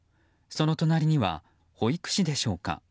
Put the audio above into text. その隣には保育士でしょうか。